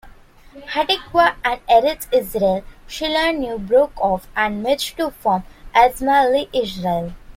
Hatikva and Eretz Yisrael Shelanu broke off and merged to form Otzma LeYisrael.